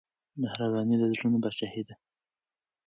مهرباني د زړونو پاچاهي ده.